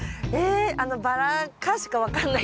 バラ科しか分かんない？